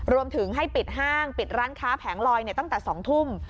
รวมถึงให้ปิดห้างปิดร้านค้าแผงลอยตั้งแต่๒ทุ่ม